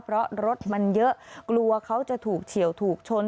เพราะรถมันเยอะกลัวเขาจะถูกเฉียวถูกชน